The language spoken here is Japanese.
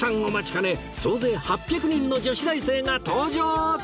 お待ちかね総勢８００人の女子大生が登場！